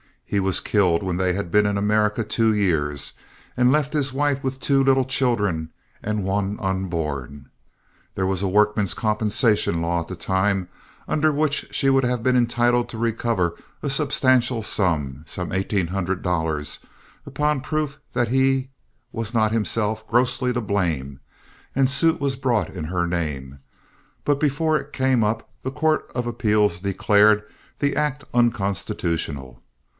He was killed when they had been in America two years, and left his wife with two little children and one unborn. There was a Workmen's Compensation Law at the time under which she would have been entitled to recover a substantial sum, some $1800, upon proof that he was not himself grossly to blame, and suit was brought in her name; but before it came up the Court of Appeals declared the act unconstitutional.